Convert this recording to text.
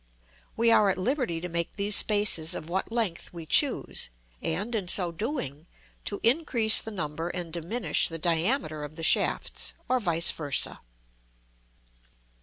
We are at liberty to make these spaces of what length we choose, and, in so doing, to increase the number and diminish the diameter of the shafts, or vice versâ.